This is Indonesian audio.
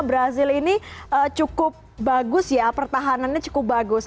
brazil ini cukup bagus ya pertahanannya cukup bagus